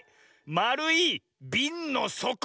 まるいびんのそこ！